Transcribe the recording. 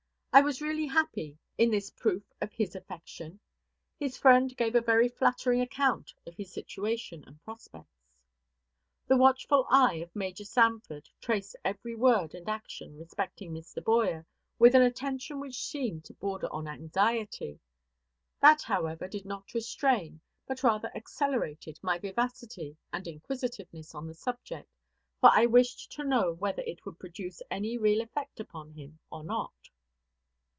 I was really happy in the reception of this proof of his affection. His friend gave a very flattering account of his situation and prospects. The watchful eye of Major Sanford traced every word and action respecting Mr. Boyer with an attention which seemed to border on anxiety. That, however, did not restrain, but rather accelerated, my vivacity and inquisitiveness on the subject; for I wished to know whether it would produce any real effect upon him or not.